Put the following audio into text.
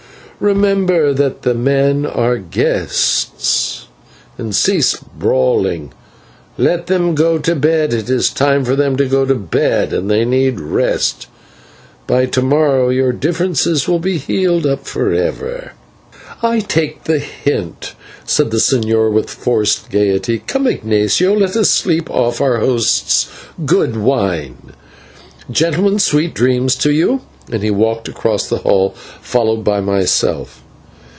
"Remember that the men are guests, and cease brawling. Let them go to bed, it is time for them to go to bed, and they need rest; by to morrow your differences will be healed up for ever." "I take the hint," said the señor, with forced gaiety. "Come, Ignatio, let us sleep off our host's good wine. Gentlemen, sweet dreams to you," and he walked across the hall, followed by myself.